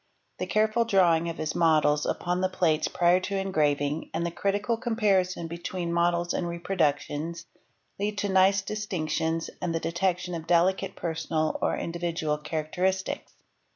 The careful drawing of his models upon the plates prior to engraving | and the critical comparison between models and reproductions lead to nice distinctions and the detection of delicate personal or individual characteristics.